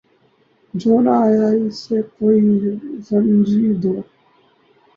جو نہ آیا اسے کوئی زنجیر در